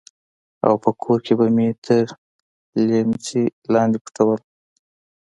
او په کور کښې به مې تر ليمڅي لاندې پټول.